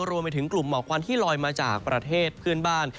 รวมไปถึงกลุ่มหมอกควันที่ลอยมาจากประเทศเพื่อนบ้าน